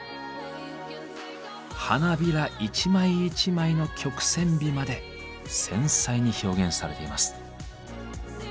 花びら一枚一枚の曲線美まで繊細に表現されています。